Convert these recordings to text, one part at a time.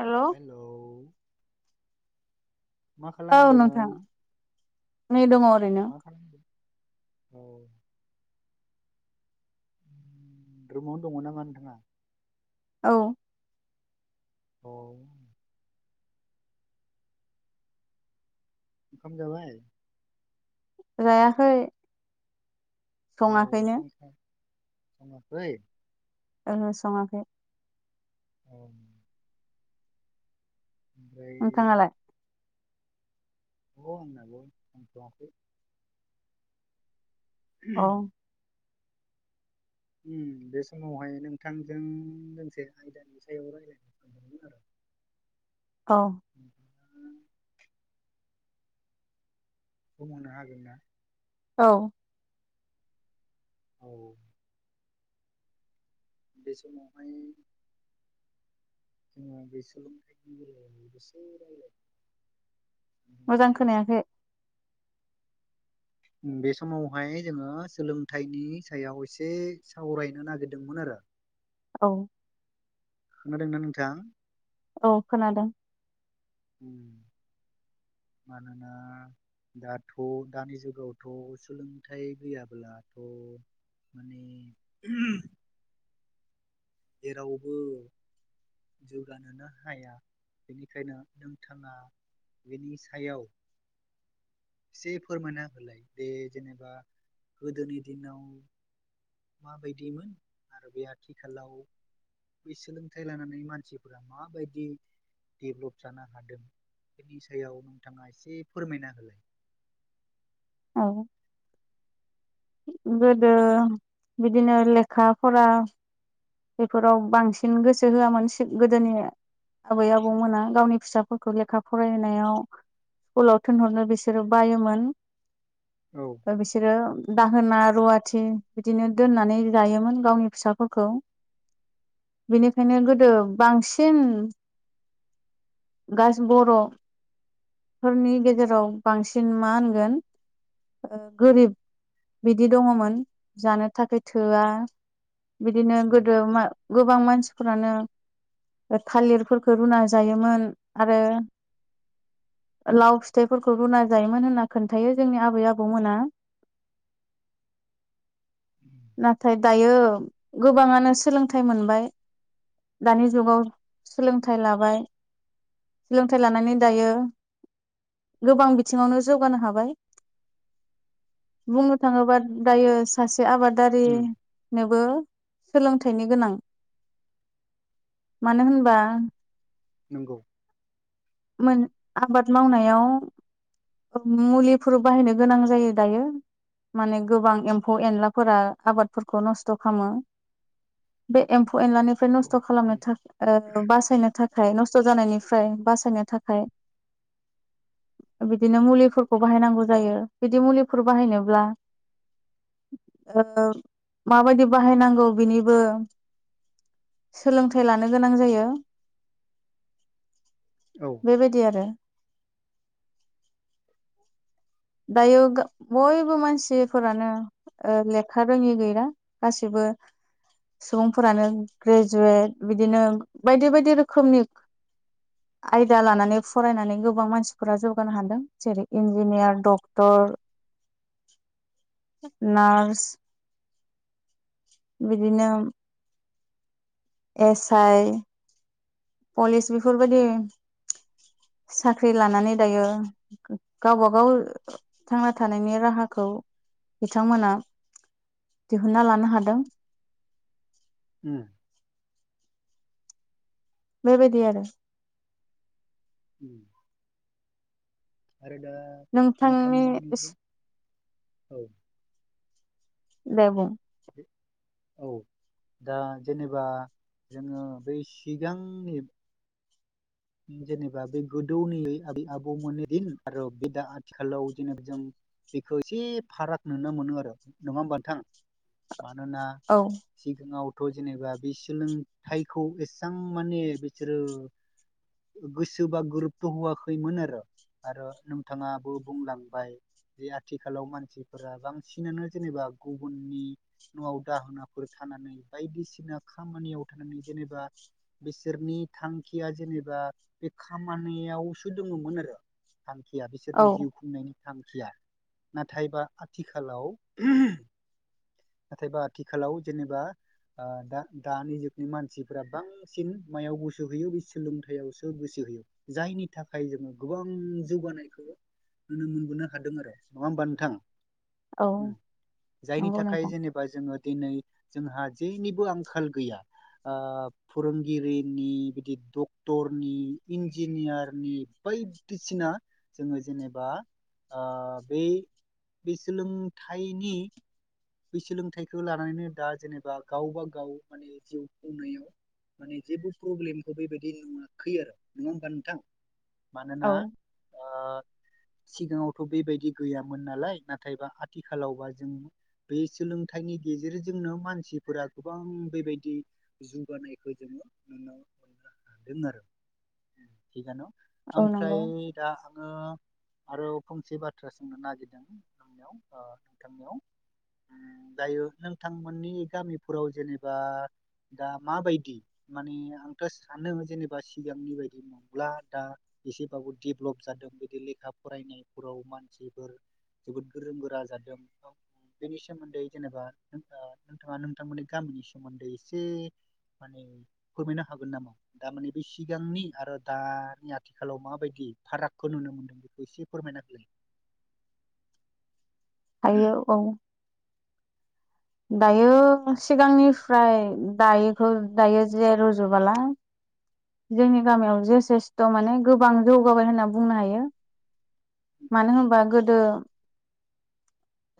हेल' hello. मा औ नोंथां खालामदों? नै दङ। ओरैनो मा खालामदों औ। रुमावनो दङ नामा नोंथाङा? औ। औ। ओंखाम जाबाय? जायाखै। औ सङाखैनो [inaudible] ओहो सङाखै। ओं। नोंथाङा लाय? अ आंनाबो संथ'वाखै। औ। उम बे समावहाय नोंथांजों दोंसे आयदानि सायाव राय्लायनो सानदोंमोन आरो। [unintelligible] औ। नोंथाङा बुंनो हागोन ना? औ। औ। बे समावहाय जोंहा [unintelligible] मोजां खोनायाखै। बे समावहाय जोङो सोलोंथाइनि सायाव एसे सावरायनो नागोरदोंमोन आरो। [unintelligible] औ। खोनादोंना नोंथां? औ खोनादों। उम मानोना दाथ' दानि जुगावथ' सोलोंथाइ गैयाबोलाथ'। माने [unintelligible] जेरावबो। जौगानोनो हाया बेनिखायनो नोंथाङा। बेनि सायाव। एसे फोरमायना होलाय बे जेनेबा गोदोनि दिनाव। माबायदिमोन आरो बे आथिखालाव बै सोलोंथाइ लानानै मानसिफोरा माबायदि। डेभ्लप जानो हादों बेनि सायाव नोंथाङा एसे फोरमायना होलाय। [unintelligible] औ। गोदो बिदिनो लेखा फरा। बेफोराव बांसिन गोसो होआमोन सिब गोदोनि आबै-आबौमोना गावनि फिसाफोरखौ लेखा फरायहोनायाव। स्कुलाव थोनहरनो बिसोरो बायोमोन दा बिसोरो दाहोना रुवाथि बिदिनो दोननानै जायोमोन गावनि फिसाफोरखौ बेनिखायनो गोदो बांसिन गास बर' फोरनि गेजेराव बांसिन मा होनगोन ओ गोरिब बिदि दङमोन जानो थाखाय थोया बिदिनो उम गोदो मा गोबां मानसिफोरानो ओ थालिरफोरखो रुना जायोमोन आरो, लाव फिथाइफोरखौ रुना जायोमोन होनना खोन्थायो जोंनि आबै आबौमोना [inaudible] नाथाय दायो गोबाङानो सोलोंथाइ मोनबाय दानि जुगाव सोलोंथाइ लाबाय सोलोंथाइ लानानै दायो गोबां बिथिङावनो जौगानो हाबाय बुंनो थाङोबा दायो सास से आबादारि उम नोबो सोलों थाइनि गोनां मानो होनबा नंगौ। मोन आबाद मावनायाव ओ मुलिफोर बाहायनो गोनां जायो दायो। माने गोबां एम्फौ एनलाफोरा आबादफोरखौ नस्थ' खामो। बे एम्फौ एनलानि फ्राय औ नस्थ' खालामनो नों थाख ओ बासायनो थाखाय नस्थ' जानायनिफ्राय बासायनो थाखाय बिदिनो मुलिफोरखौ बाहायनांगौ जायो बिदि मुलिफोर बाहायनोब्ला ओ माबायदि बाहायनांगौ बिनिबो सोलोंथाइ लानो गोनां जायो। [inaudible] बेबायदि आरो दायो गा बयबो मानसिफोरानो अ लेखा रोङि गैला गासिबो ओ सुबुंफोरानो ग्रेजुवेट बिदिनो बायदि-बायदि रोखोमनि आयदा लानानै फरायनानै गोबां मानसिफोरा जौगानो हादों जेरै- इन्जिनियार डक्टर नार्स बिदिनो एस आइ पलिस बेफोरबायदि [inaudible] साख्रि लानानै दायो गावबा गाव थांना थानायनि राहाखौ बिथांमोना दिहुनना लानो हादों। उम बेबायदि आरो उम आरो दा नोंथांनि नोंथांमोननिथिं औ दे बुं [inaudible] औ दा जेनेबा जोङो बै सिगांनि जेनेबा बे गोदौनि आबै आबौमोननि दिन आरो बे दा आथिखालाव जेनेबा जों बेखौ एसे फाराग नुनो मोनो आरो नङा होमबा नोंथां? मानोना औ सिगाङाव थ' जेनेबा बे सोलोंथाइखौ एसां माने बिसोरो गोसो बा गोरोबत' होआखैमोन आरो। आरो नोंथाङाबो बुंलांबाय जे आथिखालाव मानसिफोरा बांसिनानो जेनेबा गुबुननि न'आव दाहोनाफोर था नानै बायदिसिना खामानियाव थानानै जेनेबा बिसोरनि थांखिया जेने बा बे खामानियावसो दङमोन आरो थांखिया बिसोरनि औ जिउ खुंनायनि थांखिया नाथायबा आथिखालाव नाथायबा आथिखालाव जेनेबा ओ दा दानि जुगनि मानसिफोरा बांसिन मायाव गोसो होयो बे सोलों थायावसो गोसो होयो जायनि थाखाय जोङो गोबां जौगानायखौ नुनो मोनबोनो हादों आरो नङा होमबा नोंथां? औ उम जायनि नंगौ थाखाय नोंथां जेनेबा जोङो दिनै जोंहा जेनिबो आंखाल गैया। अ फोरोंगिरिनि बिदि दक टरनि इन्जिनियारनि बायदिसिना जोङो जेनेबा अ बे बे सोलोंथाइनि बे सोलोंथाइखौ लानानैनो दा जेनेबा गावबा गाव माने जिउ खुंनायाव माने जेबो प्रब्लेमखौ बेबायदि नुवाखै आरो नङा होमबा नोंथां? मानोना औ ओ सिगाङावथ' बेबायदि गैयामोन नालाय नाथायबा आथिखालावबा जों बे सोलोंथाइनि गेजेरजोंनो मानसिफोरा गोबां बेबायदि जौगानायखौ जोङो नुनो मोनदों आरो थिगानो। औ नंगौ ओमफ्राय दा आङो आरो फंसे बाथ्रा सोंनो नागिरदों नोंनियाव अ नोंथांनियाव। उम दायो नोंथांमोननि गामिफोराव जेनेबा दा माबादि माने आंथ' सानो जेनेबा सिगांनि बायदि नब्ला दा एसेबाबो डेभलप जादों बिदि लेखा फरायनायफोराव मानसिफोर जोबोद गोरों गोरा जादों। बेनि सोमोन्दै जेनेबा नोंथाङा नोंथांमोननि गामिनि सोमोन्दै एसे माने फोरमायनो हागोन नामा दामाने बे सिगांनि आरो दानि आथिखालाव माबादि? फारागखौ नुनो मोनदों बेखौ एसे फोरमायना होनाय। हायो औ दायो सिगांनिफ्राय दायोखौ दायो जे रुजुबोला जोंनि गामियाव जसेेस्थ' माने गोबां जौगाबाय होनना बुंनो हायो। मानो होनबा गोदो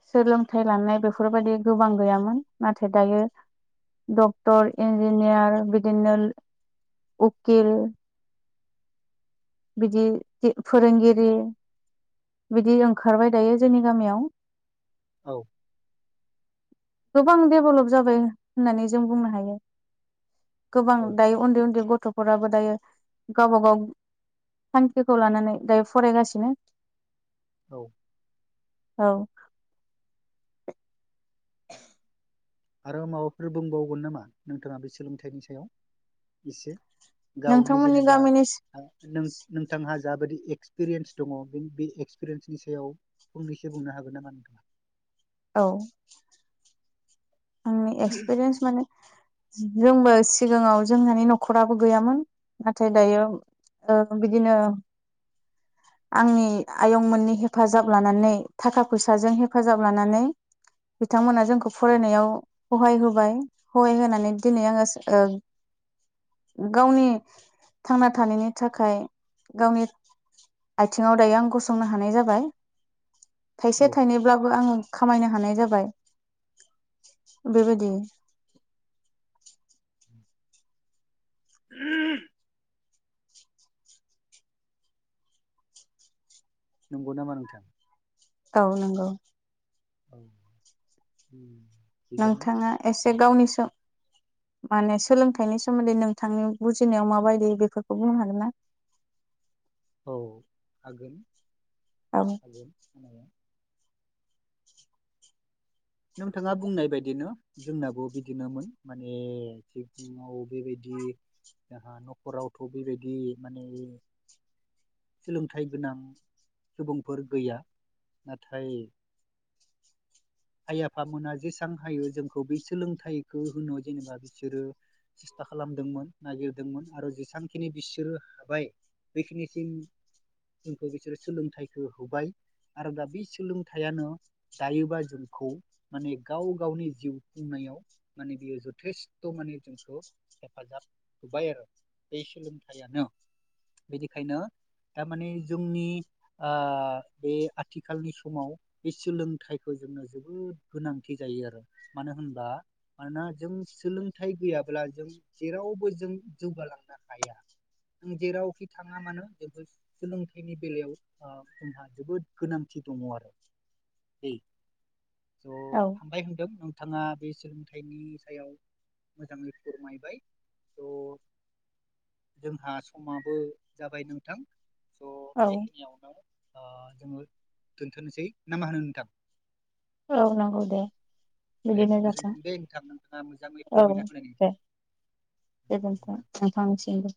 सोलोंथाइ लानाय बेफोरबायदि गोबां गैयामोन नाथाय दायो डक्टर इन्जिनियार बिदिनो उकिल बिदि फोरोंगिरि बिदि ओंखारबाय दायो जोंनि गामियाव। औ गोबां देभेलप जाबाय होननानै जों बुंनो हायो। गोबां औ दायो उन्दै उन्दै गथ'फोराबो दायो गावबा गाव थांखिखौ लानानै दायो फरायगासिनो। औ औ आरो माबाफोर बुंबावगोन नामा नोंथाङा बे सोलोंथाइनि सायाव एसे गावनि नोंथांमोननि जेनेबा गामिनि नोंथांहा जाबादि एक्सपिरियेन्स दङ बे बे एक्सपिरियेन्सनि सायाव फंनैसो बुंनो हागोन नामा नोंथाङा? [inaudible] औ आंनि एक्सपिरियेन्स माने [unintelligible] जोंबो सिगाङाव जोंहानि न'खराबो गैयामोन। नाथाय दायो ओ बिदिनो [inaudible] आंनि आयंमोननि हेफाजाब लानानै थाखा फैसाजों हेफाजाब लानानै बिथांमोना जोंखौ फरायनायाव सहाय होबाय हहाय होनानै दिनै आङो ओ गावनि थांना थानायनि थाखाय गावनि आथिङाव दायो आं गसंनो हानाय जाबाय। थाइसे औ थाइनैब्लाबो आङो खामायनो हानाय जाबाय बेबायदि। [inaudible] नंगौ नामा नोंथां? औ नंगौ। औ उम। थिगानो नोंथाङा एसे गावनिसो माने सोलोंथाइनि सोमोन्दै नोंथांनि बुजिनायाव माबायदि बेफोरखौ बुंनो हागोना? औ हागोन आब'? हागोन [unintelligible] नोंथाङा बुंनाय बायदिनो जोंनाबो बिदिनोमोन माने जे फुङाव बेबायदि दि जोंहा न'खरावथ' बेबायदि माने सोलोंथाइ गोनां सुबुंफोर गैया। नाथाय [inaudible] आइ आफामोना जेसेबां हायो जोंखौ बे सोलोंथाइखौ होनो जेनोबा बिसोरो सेस्था खालाम खालामदोंमोन नागिरदोंमोन आरो जेसेबांखिनि बिसोरो हाबाय बेखिनिसिम जोंखौ बिसोरो सोलोंथाइखौ होबाय आरो दा बे सोलोंथाइयानो दायोबा जों खौ माने गाव गावनि जिउ खुंनायाव माने बियो जथेस्थ' माने जोंखौ हेफाजाब होबाय आरो बे सोलोंथायाइयानो बेनिखायनो थारमाने जोंनि ओ बे आथिखालनि समाव बे सोलोंथाइखौ जोंनो जोबोद गोनांथि जायो आरो। मानो होनबा मानोना जों सोलोंथाइ गैयाब्ला जों जेरावबो जों जौगालांनो हाया। जों जेरावखि थाङा मानो बे सोलोंथाइनि बेलायाव ओ जोंहा जोबोद गोनांथि दङ आरो दै थ' औ हामबाय होनदों नोंथाङा बे सोलोंथाइनि सायाव मोजाङै फोरमायबाय थ' जोंहा समाबो जाबाय नोंथां। स' औ बेखिनियावनो ओ जोङो दोनथ'नोसै ना मा होनो नोंथां? औ नंगौ दे। दे बिदिनो जाथों गोजोनथों दे नोंथां नोंथाङा मोजाङै फोरमायना होनायनि। थाखाय गोजोनथों गोजोन्थों नोंथांनिसिमबो।